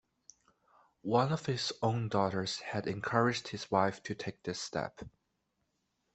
One of his own daughters had encouraged his wife to take this step.